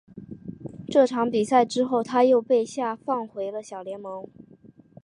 这场比赛之后他又被下放回了小联盟。